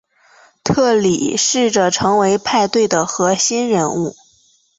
特里试着成为派对的核心人物。